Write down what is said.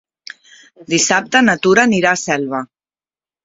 Dissabte na Tura anirà a Selva.